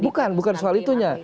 bukan bukan soal itunya